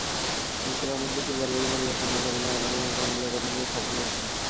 বিশ্বের অনেক দেশই জলবায়ু পরিবর্তন মোকাবিলায় আলাদা মন্ত্রণালয় গঠন করে সফল হয়েছে।